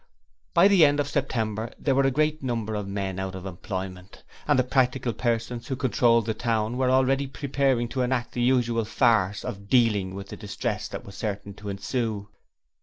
By the end of September there were great numbers of men out of employment, and the practical persons who controlled the town were already preparing to enact the usual farce of 'Dealing' with the distress that was certain to ensue.